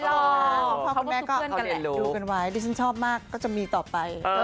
พ่อคุณแม่ก็ดูกันไว้เดี๋ยวฉันชอบมากก็จะมีต่อไป